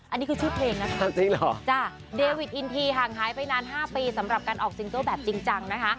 อันนี้คือชื่อเพลงนะคะเดวิดอินทีห่างหายไปนาน๕ปีสำหรับการออกซิงเกิลแบบจริงจังนะคะ